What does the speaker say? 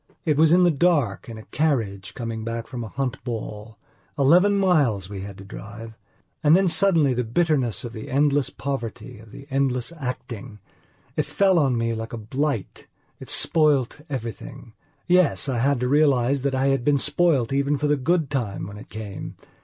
It was in the dark, in a carriage, coming back from a hunt ball. Eleven miles we had to drive! And then suddenly the bitterness of the endless poverty, of the endless actingit fell on me like a blight, it spoilt everything. Yes, I had to realize that I had been spoilt even for the good time when it came.